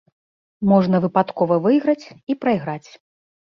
Можна выпадкова выйграць і прайграць.